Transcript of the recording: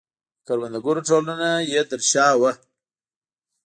د کروندګرو ټولنه یې تر شا وه.